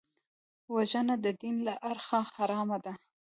وژنه د دین له اړخه حرامه ده